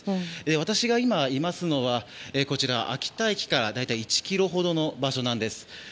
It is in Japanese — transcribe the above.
私が今いますのは秋田駅から大体１ｋｍほどの場所なんです。